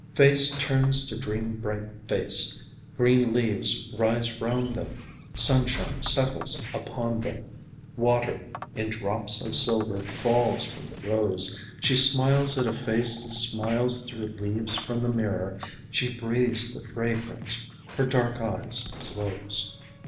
Face turns to dream bright face, Green leaves rise round them, sunshine settles upon them, Water, in drops of silver, falls from the rose. She smiles at a face that smiles through leaves from the mirror. She breathes the fragrance; her dark eyes close